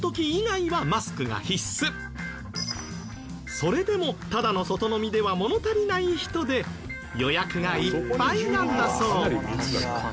それでもただの外飲みでは物足りない人で予約がいっぱいなんだそう。